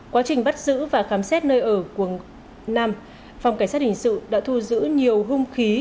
quá trình bắt giữ và khám xét nơi ở quần nam phòng cảnh sát hình sự đã thu giữ nhiều hung khí